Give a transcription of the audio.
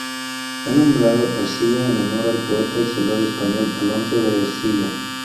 Fue nombrado Ercilla en honor al poeta y soldado español Alonso de Ercilla.